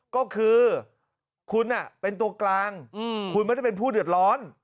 ก็คือคุณเป็นตัวกลางคุณไม่ได้เป็นผู้เดือดร้อน